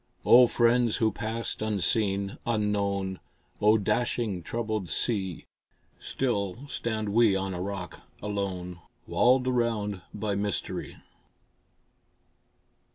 O friends who passed unseen, unknown! O dashing, troubled sea! Still stand we on a rock alone, Walled round by mystery.